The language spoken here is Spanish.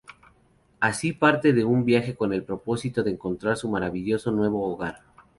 Así parte en un viaje con el propósito de encontrar su maravilloso nuevo hogar.